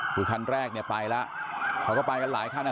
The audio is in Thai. คือคันแรกเนี่ยไปแล้วเขาก็ไปกันหลายคันอ่ะ